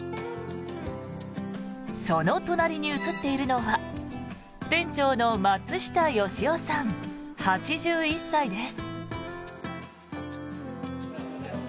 その隣に写っているのは店長の松下良夫さん８１歳です。